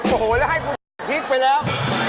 โอ้โฮแล้วให้พริกไปแล้ว